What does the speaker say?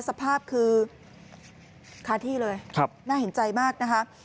สภาพคือคาที่เลยน่าเห็นใจมากนะคะ